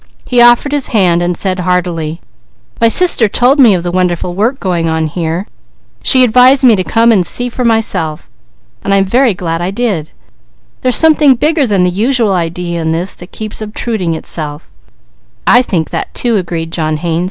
He offered his hand and said heartily: "My sister told me of the wonderful work going on here; she advised me to come and see for myself. I am very glad I did. There's something bigger than the usual idea in this that keeps obtruding itself." "I think that too," agreed John Haynes.